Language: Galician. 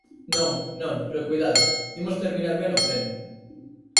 Non, non, pero coidado, imos terminar ben o pleno.